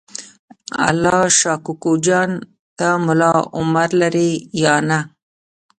الله شا کوکو جان ته ملا عمر لرې یا نه؟